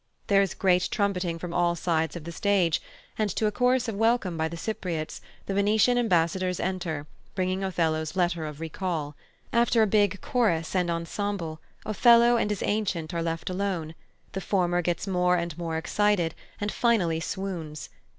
There is great trumpeting from all sides of the stage, and, to a chorus of welcome by the Cypriotes, the Venetian ambassadors enter, bringing Othello's letter of recall. After a big chorus and ensemble, Othello and his ancient are left alone; the former gets more and more excited, and finally swoons.